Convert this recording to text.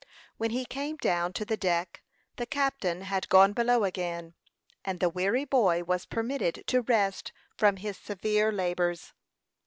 When he came down to the deck, the captain had gone below again, and the weary boy was permitted to rest from his severe labors.